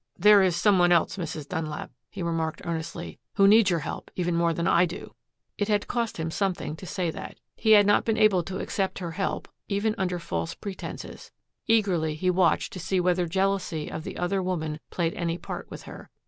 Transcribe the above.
"There is some one else, Mrs. Dunlap," he remarked earnestly, "who needs your help even more than I do." It had cost him something to say that. He had not been able to accept her help, even under false pretenses. Eagerly he watched to see whether jealousy of the other woman played any part with her.